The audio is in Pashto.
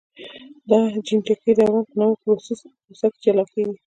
دا د جینټیکي دوران په نامه پروسه کې جلا کېږي.